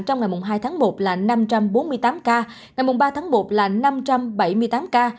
trong ngày hai tháng một là năm trăm bốn mươi tám ca ngày ba tháng một là năm trăm bảy mươi tám ca